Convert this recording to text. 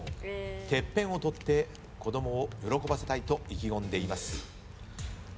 ＴＥＰＰＥＮを取って子供を喜ばせたいと意気込んでいます。